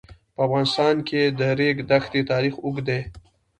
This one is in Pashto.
په افغانستان کې د د ریګ دښتې تاریخ اوږد دی.